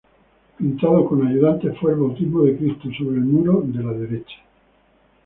Pintado con ayudantes fue el "Bautismo de Cristo" sobre el muro de la derecha.